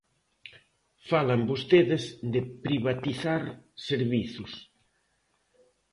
Falan vostedes de privatizar servizos.